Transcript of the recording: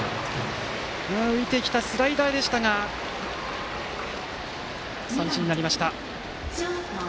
浮いてきたスライダーでしたが三振になりました。